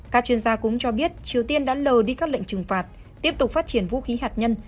các chuyên gia cũng cho biết triều tiên đã lờ đi các lệnh trừng phạt tiếp tục phát triển vũ khí hạt nhân